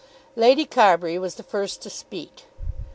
Lady Carbury was the first to speak.